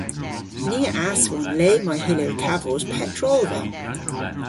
Ni a aswon le may hyllir kavos petrolva.